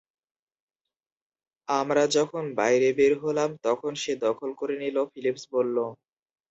আমরা যখন বাইরে বের হলাম, তখন সে দখল করে নিল, ফিলিপস বললো।